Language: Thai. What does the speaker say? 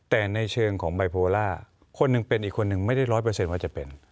แต่ในเชิงของไบโพล่าคนหนึ่งเป็นอีกคนนึงไม่ได้ร้อยเปอร์เซ็นว่าจะเป็น